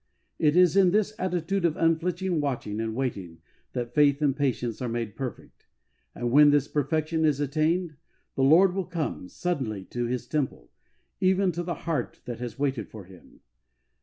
It is in this attitude of unflinching watching and waiting that faith and patience are made perfect; and when this perfection is attained, the Lord will come suddenly to His temple, even to the heart that has waited for Him.